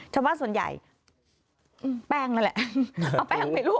ชาวบ้านส่วนใหญ่แป้งนั่นแหละเอาแป้งไปรูป